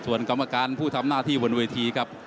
ส่วนกรรมการผู้ทำหน้าที่บนเวทีครับ